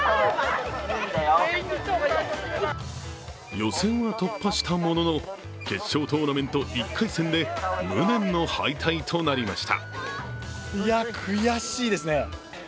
予選は突破したものの決勝トーナメント１回戦で無念の敗退となりました。